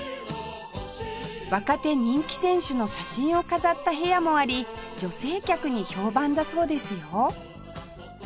若手人気選手の写真を飾った部屋もあり女性客に評判だそうですよ